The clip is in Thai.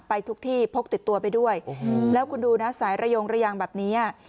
ไปทุกที่พกติดตัวไปด้วยแล้วคุณดูนะสายระยงระยางแบบนี้